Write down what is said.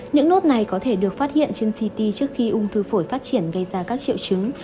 những nốt này có thể được phát hiện trên ct trước khi ung thư phổi phát triển gây ra các triệu chứng